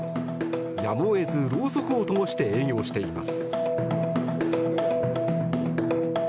やむを得ず、ろうそくをともして営業しています。